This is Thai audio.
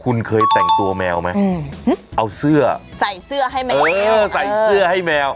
คุณเคยแต่งตัวแมวไหมเอาเสื้อใส่เสื้อให้แมวใส่เสื้อให้แมว